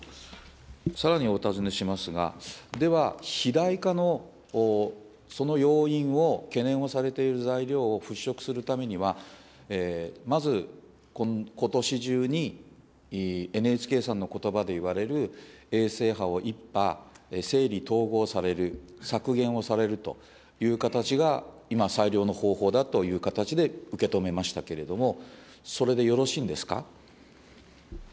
さらにお尋ねしますが、では、肥大化のその要因を、懸念をされている材料を払拭するためには、まずことし中に、ＮＨＫさんのことばでいわれる、衛星波を１波、整理・統合される、削減をされるという形が今、最良の方法だという形で受け止めましたけれども、それでよろしいんですか。